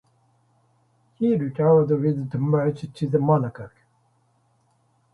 He retired with damage to the monocoque.